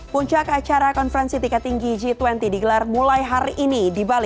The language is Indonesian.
puncak acara konferensi tingkat tinggi g dua puluh digelar mulai hari ini di bali